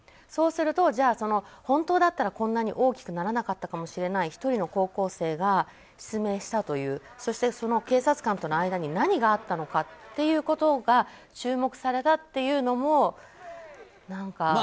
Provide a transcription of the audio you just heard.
そうすると、じゃあ本当だったらこんなに大きくならなかったかもしれない１人の高校生が失明したというそしてその警察官との間に何があったのかということが注目されたというのも何か。